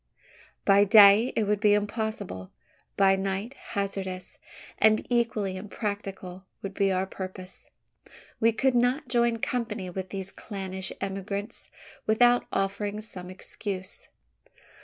By day, it would be impossible; by night, hazardous, and equally impracticable would be our purpose. We could not join company with these clannish emigrants, without offering some excuse.